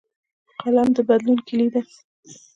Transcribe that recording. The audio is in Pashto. قلم د بدلون کلۍ ده